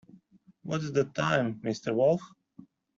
What's the time, Mr Wolf?